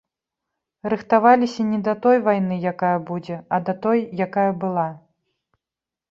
Рыхтаваліся не да той вайны, якая будзе, а да той, якая была.